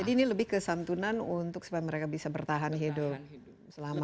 jadi ini lebih kesantunan untuk supaya mereka bisa bertahan hidup selama